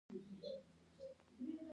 د بدخشان په وردوج کې د څه شي نښې دي؟